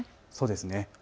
そうですね。